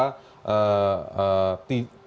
tidak tadi anda menyampaikan bahwa